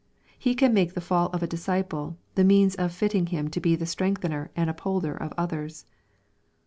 He can make the fall of a disciple the means of fitting him to be the strengthener and upholder of others.